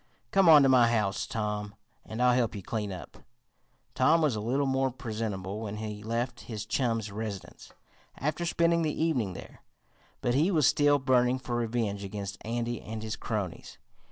Come on to my house, Tom, and I'll help you clean up." Tom was a little more presentable when he left his chum's residence, after spending the evening there, but he was still burning for revenge against Andy and his cronies.